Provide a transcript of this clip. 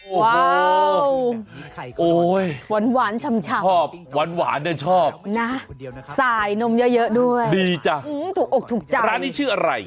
โอ้ยหวานชำชอบหวานเนี่ยชอบนะสายนมเยอะด้วยดีจ้ะถูกอกถูกใจร้านนี้ชื่ออะไร